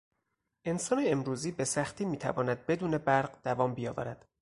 انسان امروزی به سختی میتواند بدون برق دوام بیاورد.